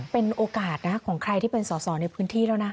เป็นโอกาสนะของใครที่เป็นสอสอในพื้นที่แล้วนะ